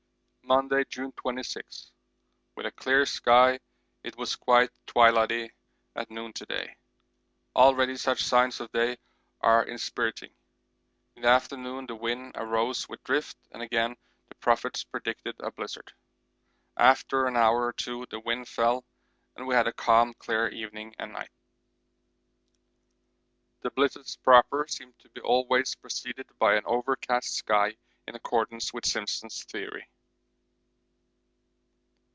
Monday, June 26. With a clear sky it was quite twilighty at noon to day. Already such signs of day are inspiriting. In the afternoon the wind arose with drift and again the prophets predicted a blizzard. After an hour or two the wind fell and we had a calm, clear evening and night. The blizzards proper seem to be always preceded by an overcast sky in accordance with Simpson's theory.